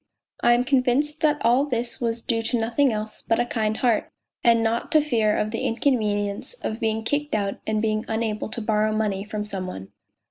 208 POLZUNKOV 209 I am convinced that all this was due to nothing else but a kind heart, and not to fear of the inconvenience of being kicked out and being unable to borrow money from some one.